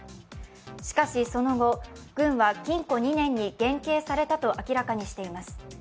しかしその後、軍は禁錮２年に減刑されたと明らかにしています。